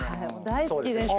大好きです。